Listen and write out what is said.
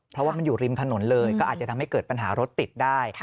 เพราะว่ามันอยู่ริมถนนเลยก็อาจจะทำให้เกิดปัญหารถติดได้